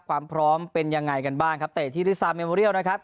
ความพร้อมเป็นยังไงกันบ้างครับเตะที่ริซาเมโมเรียลนะครับ